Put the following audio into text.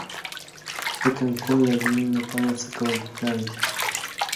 د کانکور د ازموینې لپاره څه کول په کار دي؟